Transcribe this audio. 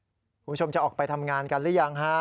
คุณผู้ชมจะออกไปทำงานกันหรือยังฮะ